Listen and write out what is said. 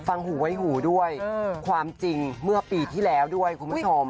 หูไว้หูด้วยความจริงเมื่อปีที่แล้วด้วยคุณผู้ชม